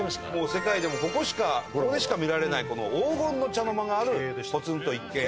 世界でもここしかここでしか見られないこの黄金の茶の間があるポツンと一軒家で。